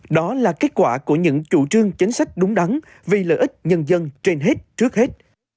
đó là kết quả của những chủ trương chính sách đúng đắn vì lợi ích nhân dân trên hết trước hết